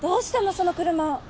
その車。